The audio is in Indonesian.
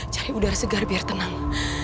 cari udara segar biar tenang